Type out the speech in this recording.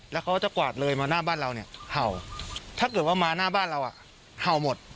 แล้วเขาจะกวาดเลยมาหน้าบ้านเราเนี่ยเห่าถ้าเกิดว่ามาหน้าบ้านเราอ่ะเห่าหมด